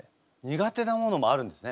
苦手なものもあるんですね。